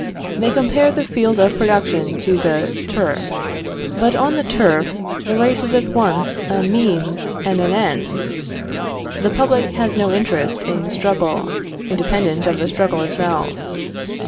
They compare the field of production to the turf. But on the turf, the race is at once a means and an end. The public has no interest in the struggle, independent of the struggle itself.